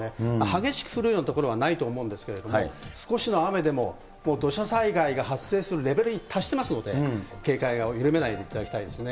激しく降るような所はないと思うんですけれども、少しの雨でも、もう土砂災害が発生するレベルに達してますので、警戒を緩めないでいただきたいですね。